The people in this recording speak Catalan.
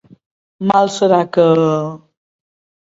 Mal serà que...